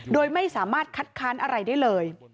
โดยไม่สามารถคัดค้านอะไรได้เลย